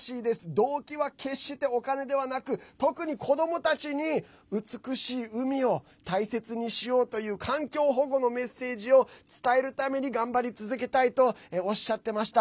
動機は決してお金ではなく特に子どもたちに美しい海を大切にしようという環境保護のメッセージを伝えるために頑張り続けたいとおっしゃってました。